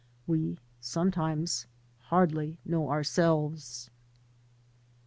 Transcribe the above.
We sometimes hardly know ourselves.